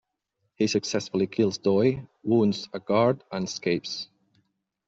He successfully kills Doi, wounds a guard and escapes.